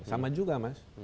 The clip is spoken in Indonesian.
sama juga mas